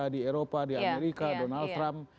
di eropa di amerika donald trump